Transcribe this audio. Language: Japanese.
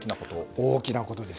大きなことです。